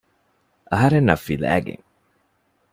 އަހަރެންނަށް ފިލައިގެން